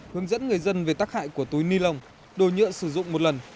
hướng dẫn người dân về tác hại của túi ni lông đồ nhựa sử dụng một lần